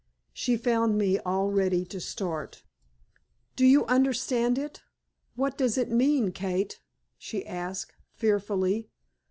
She found me all ready to start. "Do you understand it? What does it mean, Kate?" she asked, fearfully.